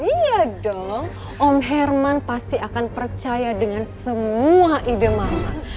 iya dong om herman pasti akan percaya dengan semua ide mama